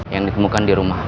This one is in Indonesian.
yang ditemukan di rumah